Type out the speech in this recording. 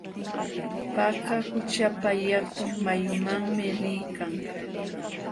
Paka qućhapa yakun mayumanmi liykan.